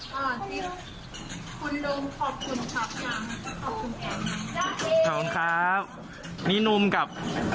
ขอบคุณครับนี่นุ่มกับ